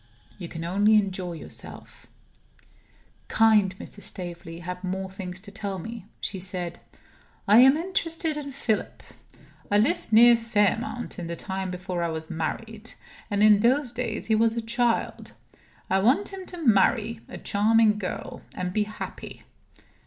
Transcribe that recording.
You can only enjoy yourself. Kind Mrs. Staveley had more things to tell me. She said: "I am interested in Philip. I lived near Fairmount in the time before I was married; and in those days he was a child. I want him to marry a charming girl, and be happy."